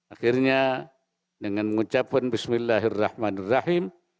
akhirnya dengan mengucapkan bismillahirrahmanirrahim